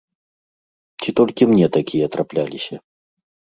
Ці толькі мне такія трапляліся?